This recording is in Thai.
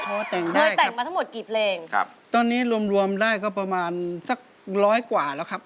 เคยแต่งได้ครับครับตอนนี้รวมได้ก็ประมาณสัก๑๐๐กว่าแล้วครับ